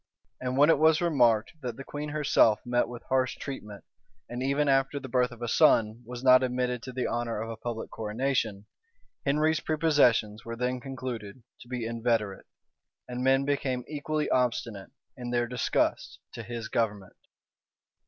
And when it was remarked that the queen herself met with harsh treatment, and even after the birth of a son, was not admitted to the honor of a public coronation, Henry's prepossessions were then concluded to be inveterate, and men became equally obstinate in their disgust to his government.